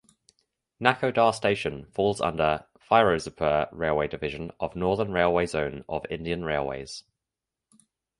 Nakodar station falls under Firozpur railway division of Northern Railway zone of Indian Railways.